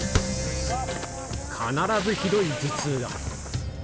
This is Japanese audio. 必ずひどい頭痛が。